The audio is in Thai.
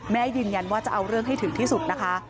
ยืนยันว่าจะเอาเรื่องให้ถึงที่สุดนะคะ